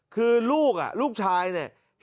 คือลูกอ่ะลูกชายเนี่ย